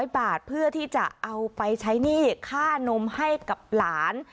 ๐บาทเพื่อที่จะเอาไปใช้หนี้ค่านมให้กับหลาน